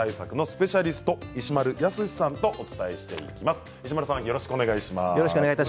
暑さ対策のスペシャリスト、石丸泰さんとお伝えしていきます。